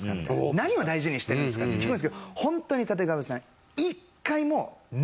「何を大事にしてるんですか？」って聞くんですけどホントにたてかべさん。